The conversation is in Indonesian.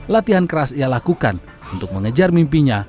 latihan keras ia lakukan untuk mengejar mimpinya